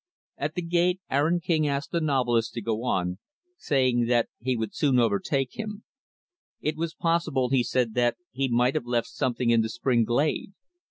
At the gate, Aaron King asked the novelist to go on, saying that he would soon overtake him. It was possible, he said, that he might have left something in the spring glade.